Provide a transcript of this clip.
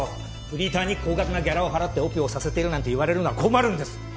フリーターに高額なギャラを払ってオペをさせてるなんて言われるのは困るんです！